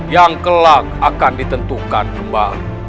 yang kelak akan ditentukan kembali